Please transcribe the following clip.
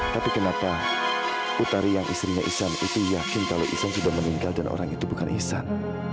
tapi kenapa utari yang istrinya ihsan itu yakin kalau isan sudah meninggal dan orang itu bukan ihsan